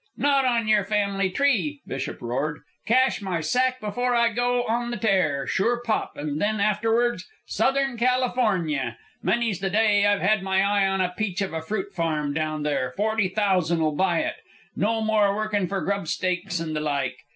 "Not on your family tree!" Bishop roared. "Cache my sack before I go on the tear, sure pop, and then, afterwards, Southern California. Many's the day I've had my eye on a peach of a fruit farm down there forty thousand'll buy it. No more workin' for grub stakes and the like.